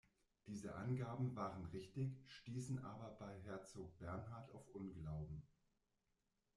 Diese Angaben waren richtig, stießen aber bei Herzog Bernhard auf Unglauben.